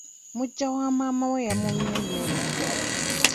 Muggya wa maama we yamummye emmere.